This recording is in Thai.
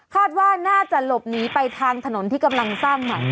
คาดว่าน่าจะหลบหนีไปทางถนนที่กำลังสร้างใหม่